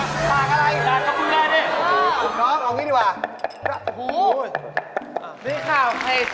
ส้มตำหนักก็ได้ค่ะ